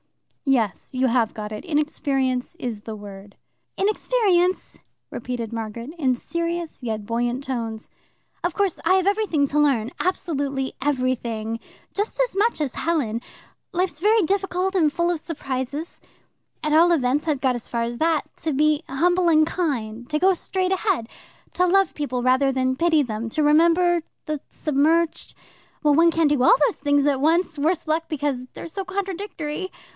"Yes. You have got it. Inexperience is the word." "Inexperience," repeated Margaret, in serious yet buoyant tones. "Of course, I have everything to learn absolutely everything just as much as Helen. Life's very difficult and full of surprises. At all events, I've got as far as that. To be humble and kind, to go straight ahead, to love people rather than pity them, to remember the submerged well, one can't do all these things at once, worse luck, because they're so contradictory.